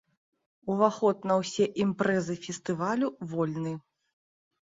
Уваход на ўсе імпрэзы фестывалю вольны.